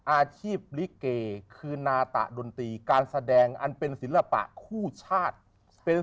อาชีพลิเกคือนาตะดนตรีการแสดงอันเป็นศิลปะคู่ชาติ